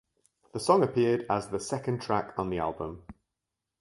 The song appeared as the second track on the album.